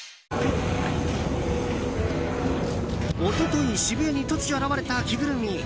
一昨日渋谷に突如現れた着ぐるみ。